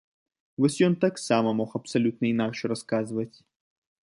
Вось ён таксама мог абсалютна інакш расказваць.